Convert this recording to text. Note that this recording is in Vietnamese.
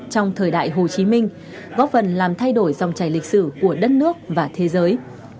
trong thời đại hồ chí minh góp phần làm thay đổi dòng trải lịch sử của đất nước và thế giới